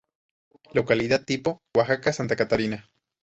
Localidad tipo: Oaxaca: Santa Catarina.